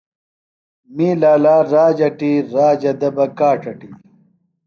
می لا لا راج اٹی، راجہ دےۡ بہ کاڇ اٹی